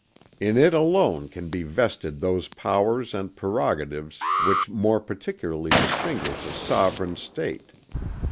In it alone can be vested those powers and prerogatives which more particularly distinguish a sovereign State.